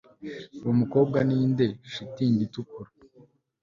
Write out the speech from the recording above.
Uwo mukobwa ninde shitingi itukura